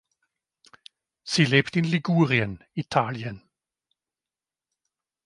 Sie lebt in Ligurien, Italien.